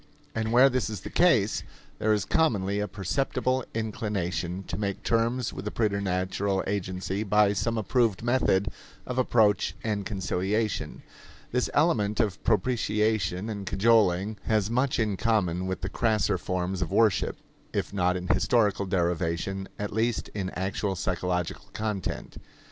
And where this is the case, there is commonly a perceptible inclination to make terms with the preternatural agency by some approved method of approach and conciliation. This element of propitiation and cajoling has much in common with the crasser forms of worship if not in historical derivation, at least in actual psychological content.